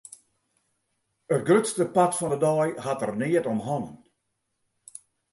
It grutste part fan de dei hat er neat om hannen.